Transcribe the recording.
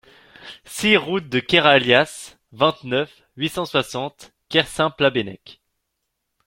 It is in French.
six route de Keralias, vingt-neuf, huit cent soixante, Kersaint-Plabennec